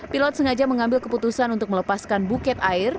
pilot sengaja mengambil keputusan untuk melepaskan buket air